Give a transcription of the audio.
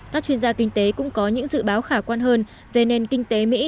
các chuyên gia kinh tế cũng có những dự báo khả quan hơn về nền kinh tế mỹ